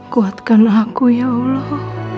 kuatkan aku ya allah